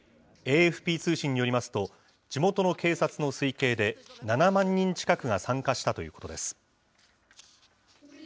ＡＦＰ通信によりますと、地元の警察の推計で、７万人近くが参加したということです。